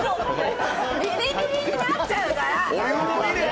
ビリビリになっちゃうから！